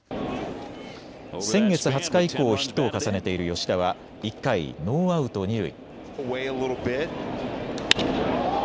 先月２０日以降、ヒットを重ねている吉田は１回、ノーアウト二塁。